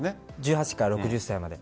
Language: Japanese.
１８から６０歳まで。